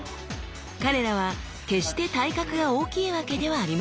彼らは決して体格が大きいわけではありません。